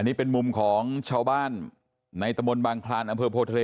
นี่เป็นมุมของชาวบ้านในตะมนต์บางคลานอำเภอโพทะเล